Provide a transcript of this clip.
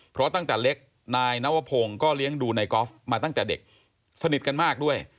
เพราะตั้งแต่เล็กนายนวพงศ์ก็เลี้ยงดูนายกอล์ฟมาตั้งแต่เด็กสนิทกันมากด้วย